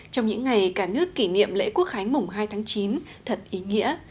trong những ngày cả nước kỷ niệm lễ quốc khánh mùng hai tháng chín thật ý nghĩa